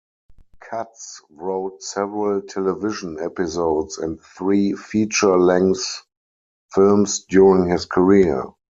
Katz wrote several television episodes and three feature-length films during his career.